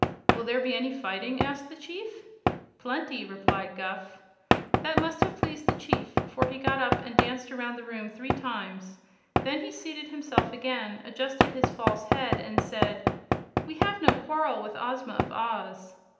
"Will there be any fighting?" asked the Chief. "Plenty," replied Guph. That must have pleased the Chief, for he got up and danced around the room three times. Then he seated himself again, adjusted his false head, and said: "We have no quarrel with Ozma of Oz."